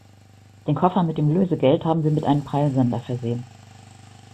Den Koffer mit dem Lösegeld haben wir mit einem Peilsender versehen.